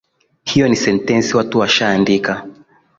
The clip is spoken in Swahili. Hio ni sentensi watu washaandika